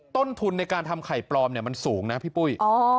ต้นทุนในการทำไข่ปลอมมันสูงนะพี่ปุ้ย